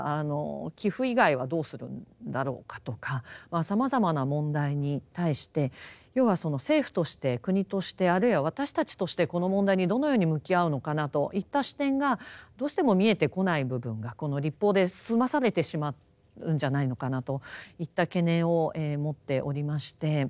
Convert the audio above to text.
寄附以外はどうするんだろうかとかさまざまな問題に対して要はその政府として国としてあるいは私たちとしてこの問題にどのように向き合うのかなといった視点がどうしても見えてこない部分がこの立法で済まされてしまうんじゃないのかなといった懸念を持っておりまして。